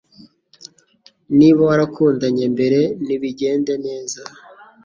niba warakundanye mbere ntibigende neza.